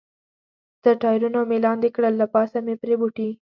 تر ټایرونو مې لاندې کړل، له پاسه مې پرې بوټي.